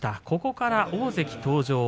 ここから大関登場。